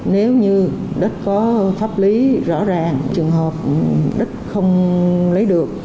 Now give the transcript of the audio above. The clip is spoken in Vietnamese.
nếu như đất có pháp lý rõ ràng trường hợp đất không lấy được